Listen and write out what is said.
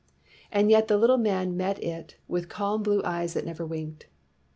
And yet the little man met it with calm blue eyes that never winked.